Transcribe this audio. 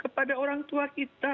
kepada orang tua kita